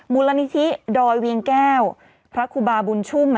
มูลนิธิดอยเวียงแก้วพระครูบาบุญชุ่ม